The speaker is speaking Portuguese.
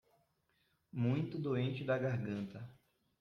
Muito doente da garganta